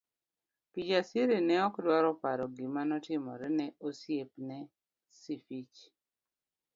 Kijasiri ne ok dwar paro gima notimore ne osiepne Sifichi.